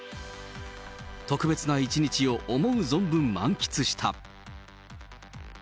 特別な一日を思う存分満喫した。